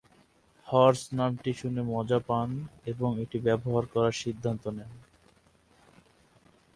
Hertz নামটি শুনে মজা পান এবং এটি ব্যবহার করার সিদ্ধান্ত নেন।